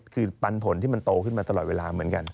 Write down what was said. คือปันผลที่มันโตขึ้นมาตลอดเวลาเหมือนกัน